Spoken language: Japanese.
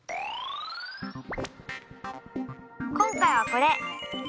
今回はこれ。